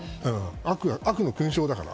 悪の勲章だから。